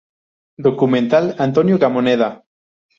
Documental Antonio Gamoneda.